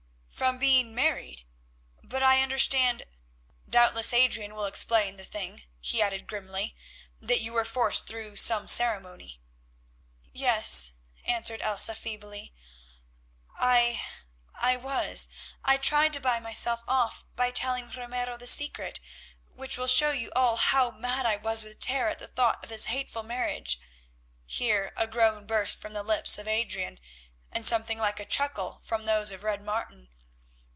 "From being married? But I understand—doubtless Adrian will explain the thing," he added grimly—"that you were forced through some ceremony." "Yes," answered Elsa feebly, "I—I—was. I tried to buy myself off by telling Ramiro the secret, which will show you all how mad I was with terror at the thought of this hateful marriage"—here a groan burst from the lips of Adrian, and something like a chuckle from those of Red Martin.